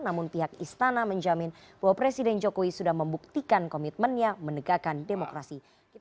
namun pihak istana menjamin bahwa presiden jokowi sudah membuktikan komitmennya menegakkan demokrasi